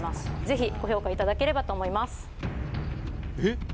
ぜひご評価いただければと思います